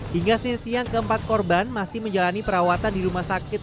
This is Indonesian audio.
hingga senin siang keempat korban masih menjalani perawatan di rumah sakit